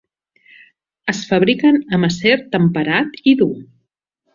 Es fabriquen amb acer temperat i dur.